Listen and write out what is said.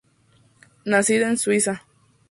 Nacida en Suiza.